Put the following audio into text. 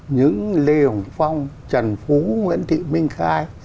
những lê hồng phong trần phú nguyễn thị minh khai